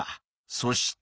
そして。